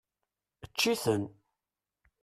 Ečč-iten!